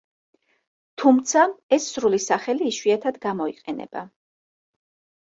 თუმცა, ეს სრული სახელი იშვიათად გამოიყენება.